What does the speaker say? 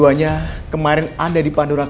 orang yang bersama ibu di pandora cafe